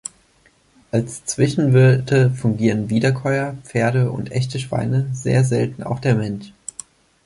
Als Zwischenwirte fungieren Wiederkäuer, Pferde und Echte Schweine, sehr selten auch der Mensch.